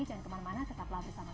jangan kemana mana tetaplah bersama kami